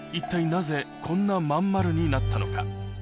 なぜこんな真ん丸になったのか？